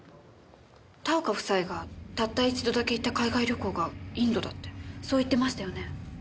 田岡夫妻がたった一度だけ行った海外旅行がインドだってそう言ってましたよね？